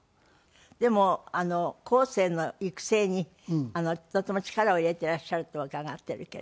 でも後生の育成にとても力を入れていらっしゃると伺っているけれど。